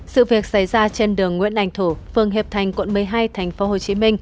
sự việc xảy ra trên đường nguyễn ảnh thủ phường hiệp thành quận một mươi hai tp hcm